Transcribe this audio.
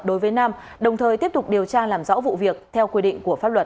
đối với nam đồng thời tiếp tục điều tra làm rõ vụ việc theo quy định của pháp luật